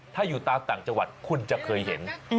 ถ้าอยู่ตามต่างจังหวัดคุณจะเคยเห็น